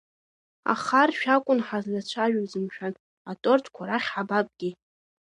Ахаршә акәын ҳазлацәажәоз, мшәан, атортқәа рахь ҳабагеи!